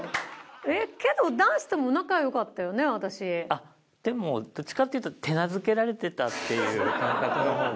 あっでもどっちかっていうと手なずけられてたっていう感覚の方が。